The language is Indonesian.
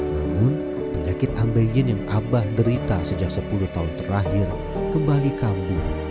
namun penyakit ambeyin yang abah derita sejak sepuluh tahun terakhir kembali kambuh